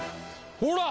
ほら！